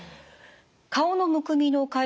顔のむくみの解消